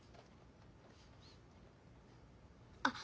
あっ！